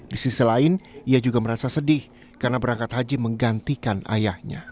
di sisi lain ia juga merasa sedih karena berangkat haji menggantikan ayahnya